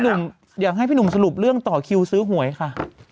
อยากให้พี่หนุ่มสรุปเรื่องต่อคิวซื้อหวยค่ะ